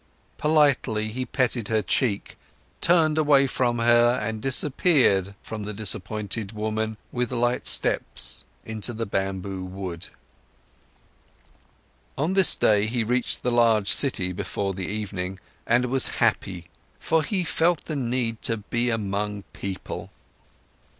Politely, he petted her cheek, turned away from her and disappeared away from the disappointed woman with light steps into the bamboo wood. On this day, he reached the large city before the evening, and was happy, for he felt the need to be among people.